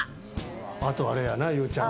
あとあれやな、ゆうちゃみ。